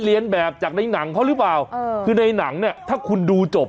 เรียนแบบจากในหนังเขาหรือเปล่าเออคือในหนังเนี่ยถ้าคุณดูจบ